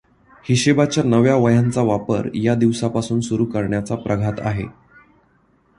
हिशेबाच्या नव्या वह्यांचा वापर या दिवसापासून सुरु करण्याचा प्रघात आहे.